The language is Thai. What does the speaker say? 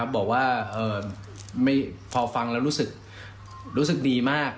บอกว่าพอฟังแล้วรู้สึกดีมาก